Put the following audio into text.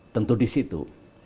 tentu di situ